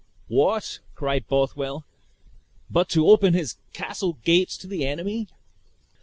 "What!" cried Bothwell, "but to open his castle gates to the enemy!"